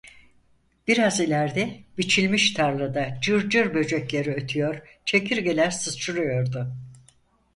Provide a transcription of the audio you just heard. Biraz ilerde, biçilmiş tarlada cırcırböcekleri ötüyor, çekirgeler sıçrıyordu.